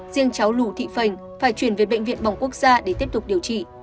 riêng cháu lù thị phành phải chuyển về bệnh viện bỏng quốc gia để tiếp tục điều trị